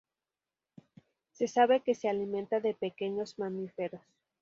Se sabe que se alimenta de pequeños mamíferos.